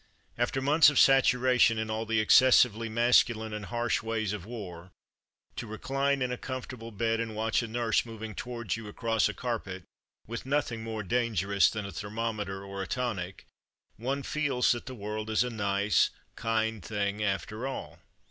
After months of satura tion in all the excessively masculine and harsh ways of war, to recline in a comfort able bed and watch a nurse moving towards you across a carpet, with nothing more dangerous than a thermometer or a tonic, one feels that the world is a nice, kind thing after all.